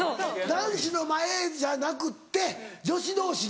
男子の前じゃなくって女子同士で。